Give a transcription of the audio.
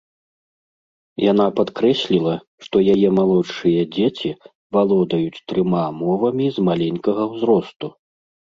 Яна падкрэсліла, што яе малодшыя дзеці валодаюць трыма мовамі з маленькага ўзросту.